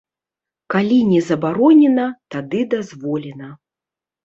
Калі не забаронена, тады дазволена.